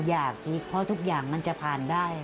อยากสิเพราะทุกอย่างมันจะผ่านได้